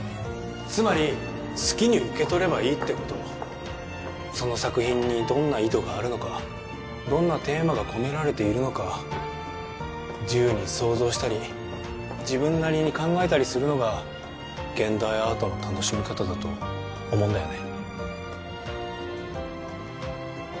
つまり好きに受け取ればいいってことその作品にどんな意図があるのかどんなテーマが込められているのか自由に想像したり自分なりに考えたりするのが現代アートの楽しみ方だと思うんだよね